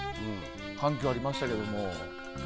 反響がありましたけども。